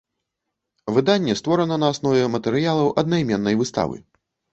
Выданне створана на аснове матэрыялаў аднайменнай выставы.